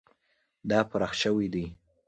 دا پراخ شوی دی.